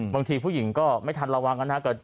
บางทีผู้หญิงก็ไม่ทันระวังนะครับ